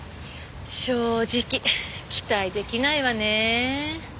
正直期待できないわねえ。